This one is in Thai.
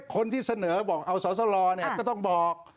คนที่เสนอบอกเอาสอสลก็ต้องบอก